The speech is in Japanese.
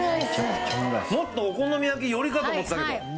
もっとお好み焼き寄りかと思ってたけど。